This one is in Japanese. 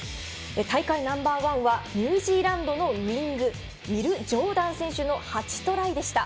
大会ナンバー１はニュージーランドのウイングウィル・ジョーダン選手の８トライでした。